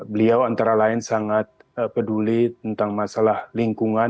beliau antara lain sangat peduli tentang masalah lingkungan